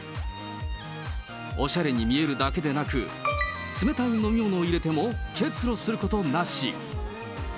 おしゃれに見えるだけでなく、冷たい飲み物を入れても結露することなし。